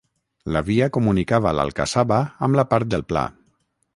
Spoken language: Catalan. La via comunicava l’alcassaba amb la part del pla.